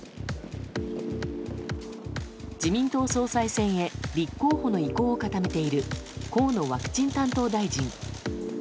自民党総裁選へ立候補の意向を固めている河野ワクチン担当大臣。